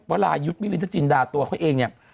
วรายุทธ์มิลินทจินดาตัวเขาเองเนี่ย